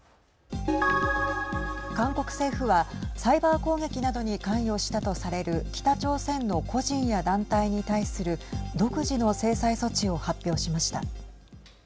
韓国政府はサイバー攻撃などに関与したとされる北朝鮮の個人や団体に対する独自の制裁措置を発表しました。